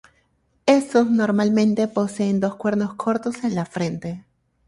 Estos normalmente poseen dos cuernos cortos en la frente.